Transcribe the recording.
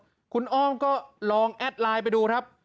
คุณอ้อมก็ลองแอดไลน์ไปดูครับ